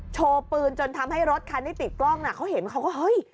โชว์ปืนจนทำให้รถคันที่ติดกล้องน่ะเขาเห็นเขาก็เฮ้ย